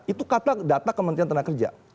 itu kata data kementerian tenaga kerja